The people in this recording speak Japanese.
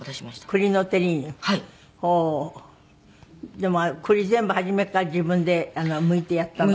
でも栗全部初めから自分でむいてやったの？